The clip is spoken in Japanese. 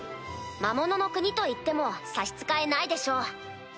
魔物の国と言っても差し支えないでしょう。